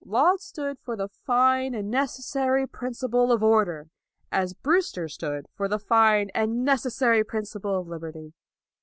Laud stood for the fine and neces sary principle of order, as Brewster stood for the fine and necessary principle of liberty.